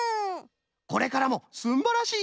これからもすんばらしい